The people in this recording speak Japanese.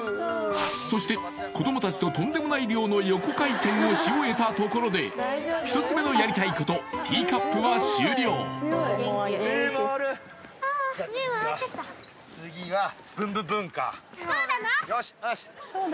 そして子どもたちととんでもない量の横回転をし終えたところで１つ目のやりたいことティーカップは終了ああ目回っちゃったよしよし